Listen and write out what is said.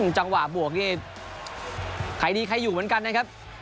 จังหวะบวกนี่ใครดีใครอยู่เหมือนกันนะครับ